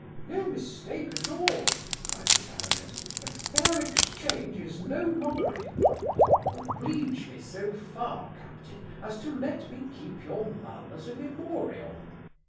'No mistake at all (cried the baronet): a fair exchange is no robbery. Oblige me so far, captain, as to let me keep your mull as a memorial.